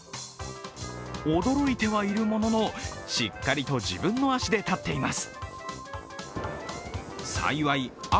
驚いてはいるものの、しっかりと自分の足で立っています。